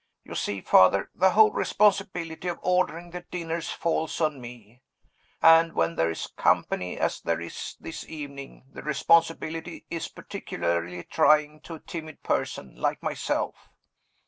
You see, Father, the whole responsibility of ordering the dinners falls on me. And, when there is company, as there is this evening, the responsibility is particularly trying to a timid person like myself."